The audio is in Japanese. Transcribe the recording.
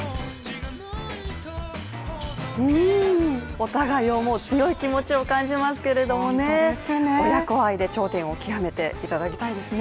お互いを思う強い気持ちを感じますけれども親子愛で頂点を極めていただきたいですね。